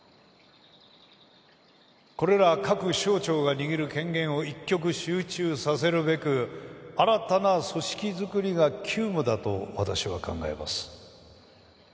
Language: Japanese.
これら各省庁が握る権限を一極集中させるべく新たな組織作りが急務だと私は考えます。